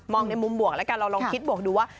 ในมุมบวกแล้วกันเราลองคิดบวกดูว่า